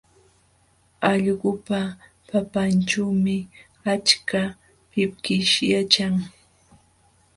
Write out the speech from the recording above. Allqupa patanćhuumi achka pikish yaćhan.